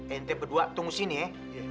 ent berdua tunggu sini ya